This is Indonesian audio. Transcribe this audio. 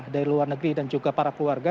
dari luar negeri dan juga para keluarga